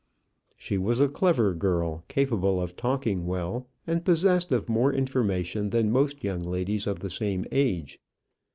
She was a clever girl, capable of talking well, and possessed of more information than most young ladies of the same age.